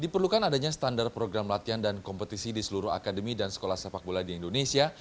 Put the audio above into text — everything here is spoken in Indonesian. diperlukan adanya standar program latihan dan kompetisi di seluruh akademi dan sekolah sepak bola di indonesia